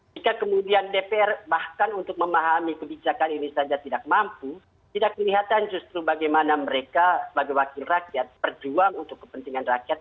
jika kemudian dpr bahkan untuk memahami kebijakan ini saja tidak mampu tidak kelihatan justru bagaimana mereka sebagai wakil rakyat berjuang untuk kepentingan rakyat